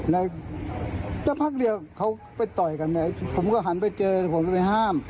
แล้วสักพักเดียวเขาไปต่อยกันเนี่ยผมก็หันไปเจอผมก็ไปห้าม